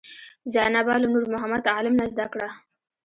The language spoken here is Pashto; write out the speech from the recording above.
زینبه له نورمحمد عالم نه زده کړه.